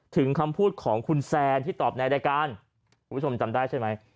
คำพูดของคุณแซนที่ตอบในรายการคุณผู้ชมจำได้ใช่ไหม